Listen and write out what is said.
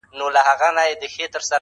هیله ده دخوښی وړمو وګرځی.!.!